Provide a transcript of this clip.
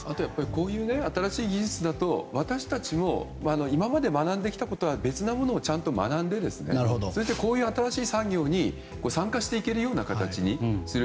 こういう新しい技術だと今まで学んできたこととは別なものを学んでこういう新しい産業に参加していく形にする。